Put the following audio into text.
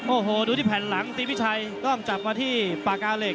โอ้โหดูที่แผ่นหลังตีพิชัยต้องจับมาที่ปากกาเหล็ก